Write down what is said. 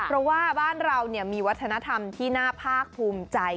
เพราะว่าบ้านเรามีวัฒนธรรมที่น่าภาคภูมิใจ